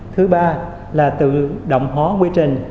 thứ ba là tự động hóa quy trình